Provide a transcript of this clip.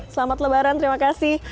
selamat lebaran terima kasih